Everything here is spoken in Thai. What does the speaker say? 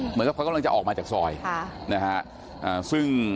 เหมือนกับเขากำลังจะออกมาจากซอยค่ะนะฮะซึ่ง